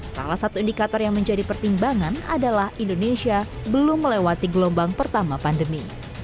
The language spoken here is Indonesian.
salah satu indikator yang menjadi pertimbangan adalah indonesia belum melewati gelombang pertama pandemi